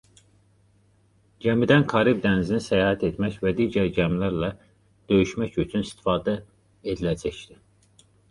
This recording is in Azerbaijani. Gəmidən Karib dənizini səyahət etmək və digər gəmilərlə döyüşmək üçün istifadə ediləcəkdi.